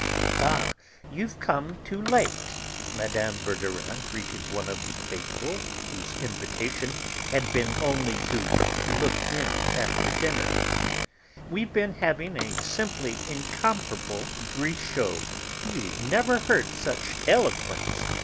"Ah! you've come too late!" Mme. Verdurin greeted one of the 'faithful,' whose invitation had been only 'to look in after dinner,' "we've been having a simply incomparable Brichot! You never heard such eloquence!